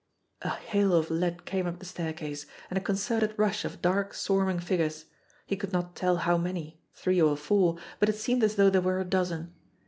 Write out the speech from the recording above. A hail of lead came up the staircase and a concerted rush of dark, swarming figures. He could not tell how many three or four but it seemed as though there were a dozen.